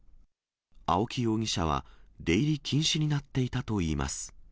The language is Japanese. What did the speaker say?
青木容疑者は、出入り禁止になっていたといいます。